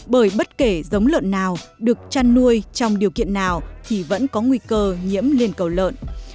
bởi bất kể giống lợn nào được chăn nuôi trong điều kiện nào thì vẫn có nguy cơ nhiễm liên cầu lợn